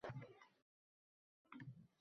Men Temurning avlodi boʼlsam